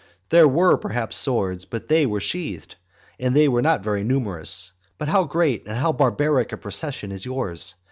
There were perhaps swords, but they were sheathed, and they were not very numerous. But how great and how barbaric a procession is yours!